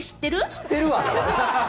知ってるわ！